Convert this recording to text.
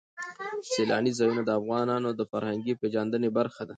سیلاني ځایونه د افغانانو د فرهنګي پیژندنې برخه ده.